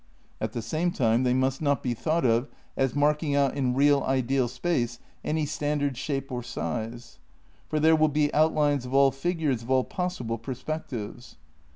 At tbe same time tbey must not be thought of as marking out in real ideal space ajiy standard shape or size; for there will be outlines of all figures of all possible perspectives.